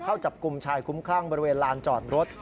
เข้าจับกลุ่มชายคุ้มคลั่งบริเวณลานจอดรถ